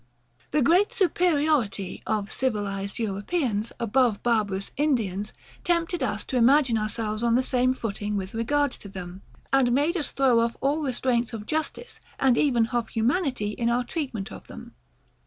The great superiority of civilized Europeans above barbarous Indians, tempted us to imagine ourselves on the same footing with regard to them, and made us throw off all restraints of justice, and even of humanity, in our treatment of them.